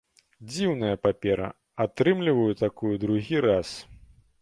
Дзіўная папера, атрымліваю такую другі раз.